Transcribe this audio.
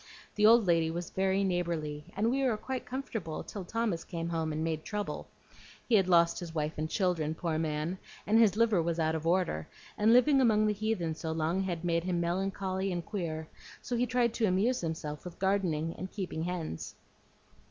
The old lady was very neighborly, and we were quite comfortable till Thomas came home and made trouble. He'd lost his wife and children, poor man, and his liver was out of order, and living among the heathen so long had made him melancholy and queer; so he tried to amuse himself with gardening and keeping hens."